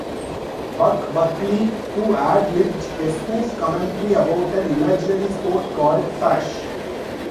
"Buck" Buckley, who ad-libbed a spoof commentary about an imaginary sport called "Fasche".